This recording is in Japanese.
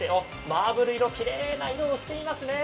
マーブル色、きれいな色をしてますね。